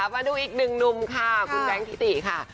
มาดูอีกหนึ่งหนุ่มค่ะคุณแบงค์ทิติค่ะ